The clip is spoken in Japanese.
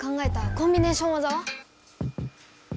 「コンビネーションわざ！